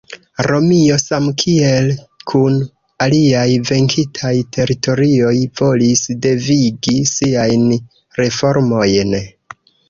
Romio, same kiel kun aliaj venkitaj teritorioj, volis devigi siajn reformojn.